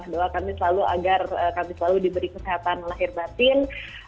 doa kami selalu agar kami selalu diberi kesehatan lahir batin